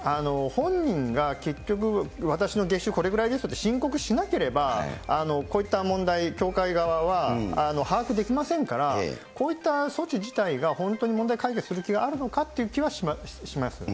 本人が結局、私の月収これぐらいですよと申告しなければ、こういった問題、教会側は把握できませんから、こういった措置自体が、本当に問題解決する気があるのかっていう気はします。